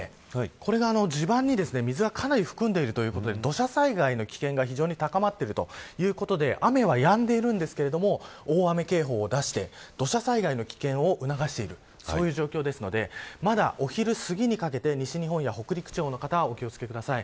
これが地盤に水をかなり含んでいるということで土砂災害の危険が非常に高まっているということで雨は、やんでいるんですけど大雨警報を出して土砂災害の危険を促している状況ですのでまだお昼すぎにかけて、西日本や北陸地方の方はお気を付けください。